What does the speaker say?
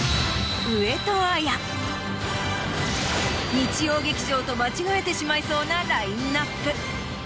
日曜劇場と間違えてしまいそうなラインアップ。